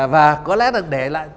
và có lẽ là để lại